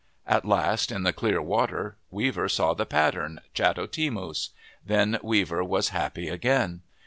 At last, in the clear water, Weaver saw the pattern, chato timus. Then Weaver was happy again.